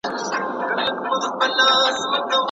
د وګړو په پس اندازونو کي بايد عمومي زياتوالى راسي.